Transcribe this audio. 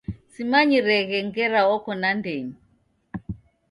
Simanyireghe ngera oko nandenyi